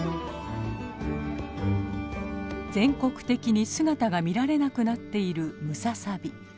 全国的に姿が見られなくなっているムササビ。